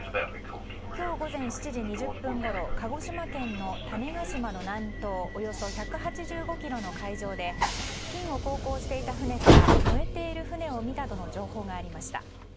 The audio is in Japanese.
今日午前７時２０分ごろ鹿児島県の種子島の南東およそ１８５ｋｍの海上で付近を航行していた船から燃えている船を見たとの情報がありました。